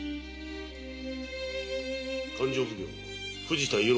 勘定奉行・藤田伊予